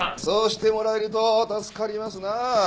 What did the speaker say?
そうしてもらえると助かりますなあ。